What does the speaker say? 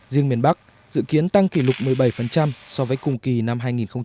riêng miền bắc dự kiến tăng kỷ lục một mươi bảy so với cùng kỳ năm hai nghìn một mươi tám